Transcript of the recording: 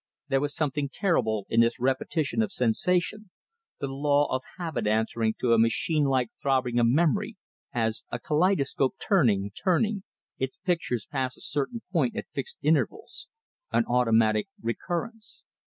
There was something terrible in this repetition of sensation the law of habit answering to the machine like throbbing of memory, as, a kaleidoscope turning, turning, its pictures pass a certain point at fixed intervals an automatic recurrence.